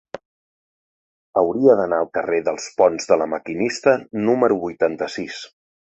Hauria d'anar al carrer dels Ponts de La Maquinista número vuitanta-sis.